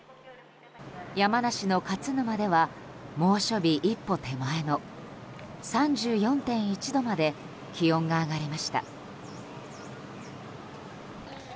山梨の勝沼では猛暑日一歩手前の３４．１度まで気温が上がりました。